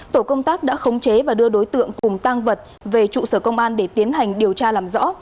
tổ công tác đã khống chế và đưa đối tượng cùng tăng vật về trụ sở công an để tiến hành điều tra làm rõ